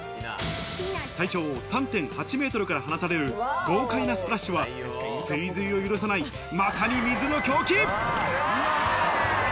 体長３．８ｍから放たれる豪快なスプラッシュは追随を許さない、まさに水の狂気。